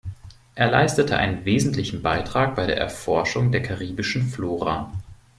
Er leistete einen wesentlichen Beitrag bei der Erforschung der karibischen Flora.